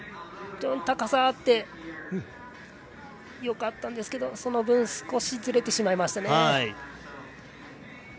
高さがあってよかったんですけどその分、少しずれてしまいました。